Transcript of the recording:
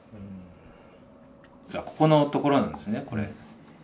ここのところなんですねこれ。